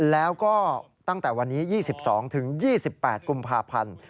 แล้วก็ตั้งแต่วันนี้๒๒๒๘กุมภาพันธ์